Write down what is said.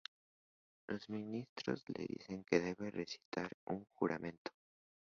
Los ministros le dicen que debe recitar un juramento.